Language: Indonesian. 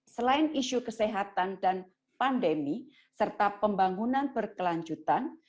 selain isu kesehatan dan pandemi serta pembangunan berkelanjutan